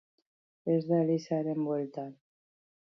Ez da elizaren bueltan den kondaira bakarra.